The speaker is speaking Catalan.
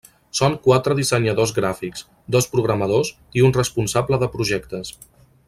Són quatre dissenyadors gràfics, dos programadors i un responsable de projectes.